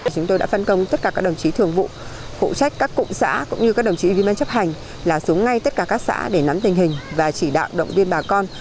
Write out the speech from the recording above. chúng tôi đã phân công tất cả các đồng chí thường vụ phụ trách các cụm xã cũng như các đồng chí viên ban chấp hành là xuống ngay tất cả các xã để nắm tình hình và chỉ đạo động viên bà con